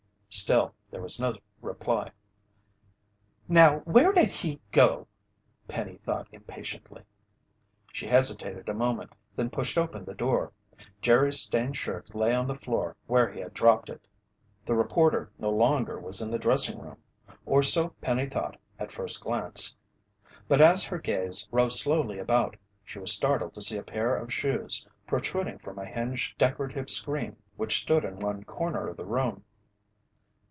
Still there was no reply. "Now where did he go?" Penny thought impatiently. She hesitated a moment, then pushed open the door. Jerry's stained shirt lay on the floor where he had dropped it. The reporter no longer was in the dressing room. Or so Penny thought at first glance. But as her gaze roved slowly about, she was startled to see a pair of shoes protruding from a hinged decorative screen which stood in one corner of the room.